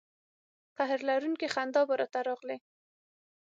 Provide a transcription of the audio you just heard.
قهر لرونکې خندا به را ته راغلې.